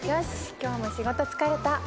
今日も仕事疲れた。